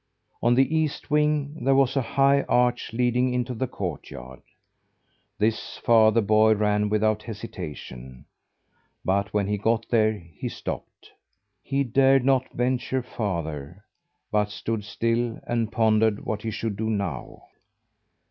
On the east wing, there was a high arch leading into the courtyard. This far the boy ran without hesitation, but when he got there he stopped. He dared not venture farther, but stood still and pondered what he should do now.